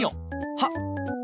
はっ。